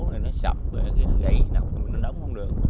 rồi nó sập rồi cái gãy nọc rồi nó đống không được